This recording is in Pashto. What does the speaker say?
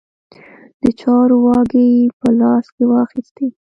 د چارو واګې په لاس کې واخیستې.